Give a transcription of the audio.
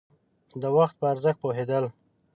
د وخت په ارزښت پوهېدل.